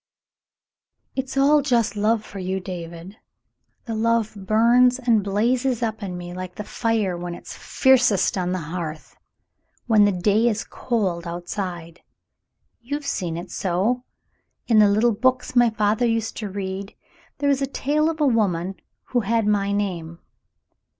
It's all just love for you, David. The love burns and blazes up in me like the fire when it's fiercest on the hearth, when the day is cold outside. You've seen it so. In the little books my father used to read, there was a tale of a woman who had my name.